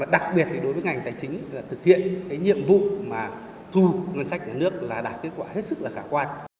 đặc biệt đối với ngành tài chính thực hiện nhiệm vụ thu ngân sách của nước là đạt kết quả